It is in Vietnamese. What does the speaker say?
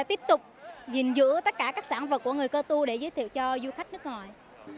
tiếp tục gìn giữ tất cả các sản vật của người cơ tu để giới thiệu cho du khách nước ngoài